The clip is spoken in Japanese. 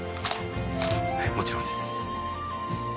はいもちろんです。